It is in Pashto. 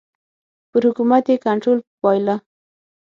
پر حکومت یې کنټرول بایله.